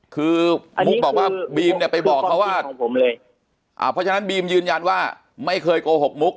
คือมุกบอกว่าบีมเนี่ยไปบอกเขาว่าเพราะฉะนั้นบีมยืนยันว่าไม่เคยโกหกมุก